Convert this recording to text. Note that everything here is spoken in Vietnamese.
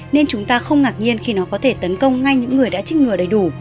nên chúng ta không ngạc nhiên khi nó có thể tấn công ngay những người đã trích ngừa đầy đủ